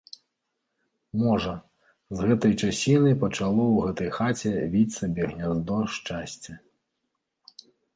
Можа, з гэтай часіны пачало ў гэтай хаце віць сабе гняздо шчасце.